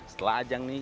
setelah ajang ini